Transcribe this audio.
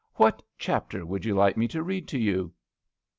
What chapte would you like me to read to YOU